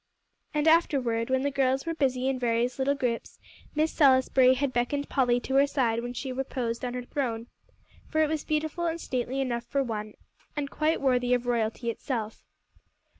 And afterward, when the girls were busy in various little groups, Miss Salisbury had beckoned Polly to her side where she reposed on her throne; for it was beautiful and stately enough for one, and quite worthy of royalty itself.